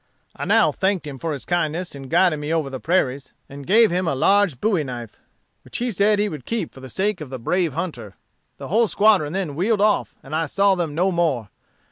I now thanked him for his kindness in guiding me over the prairies, and gave him a large bowie knife, which he said he would keep for the sake of the brave hunter. The whole squadron then wheeled off and I saw them no more.